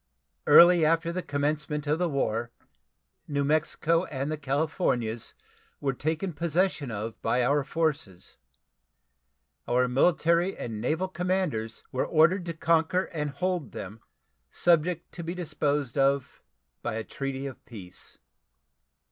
Early after the commencement of the war New Mexico and the Californias were taken possession of by our forces. Our military and naval commanders were ordered to conquer and hold them, subject to be disposed of by a treaty of peace.